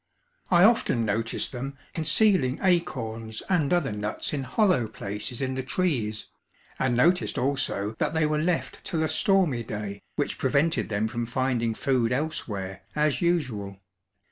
I often noticed them concealing acorns and other nuts in hollow places in the trees, and noticed also that they were left till a stormy day which prevented them from finding food elsewhere as usual.